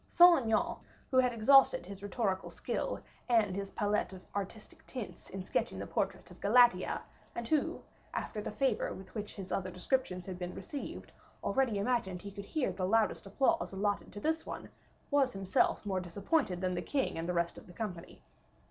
Saint Aignan, who had exhausted his rhetorical skill and his palette of artistic tints in sketching the portrait of Galatea, and who, after the favor with which his other descriptions had been received, already imagined he could hear the loudest applause allotted to this last one, was himself more disappointed than the king and the rest of the company.